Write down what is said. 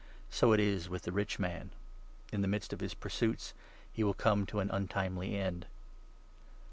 So is it with the rich man. In the midst of his pursuits he will come to an untimely end.